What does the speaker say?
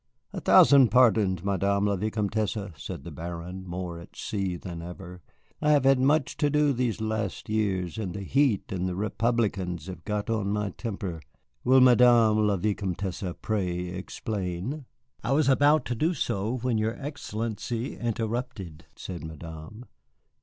"A thousand pardons, Madame la Vicomtesse," said the Baron, more at sea than ever. "I have had much to do these last years, and the heat and the Republicans have got on my temper. Will Madame la Vicomtesse pray explain?" "I was about to do so when your Excellency interrupted," said Madame.